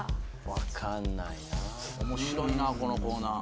分かんないな面白いなこのコーナー